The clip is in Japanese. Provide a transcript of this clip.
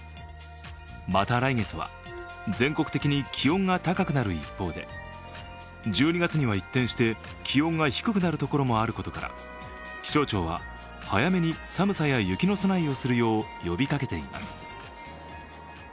また来月は、全国的に気温が高くなる一方で１２月には一転して気温が低くなるところもあることから気象庁は、早めに寒さや雪の備えをするよう呼びかけています。